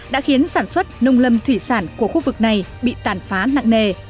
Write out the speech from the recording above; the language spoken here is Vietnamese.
đã khiến sản xuất nông lâm thủy sản của khu vực này bị tàn phá nặng nề